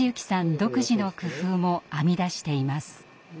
独自の工夫も編み出しています。